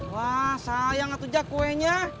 wah sayang atuh jak kuenya